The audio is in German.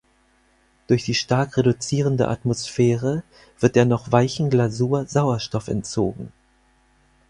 Durch die stark reduzierende Atmosphäre wird der noch weichen Glasur Sauerstoff entzogen.